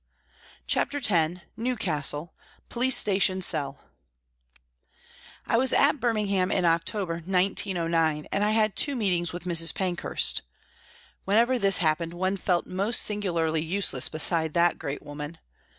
CHAPTER X NEWCASTLE : POLICE STATION CELL I WAS at Birmingham in October, 1909, and I had two meetings with Mrs. Pankhurst. Whenever this happened one felt most singularly useless beside that great woman.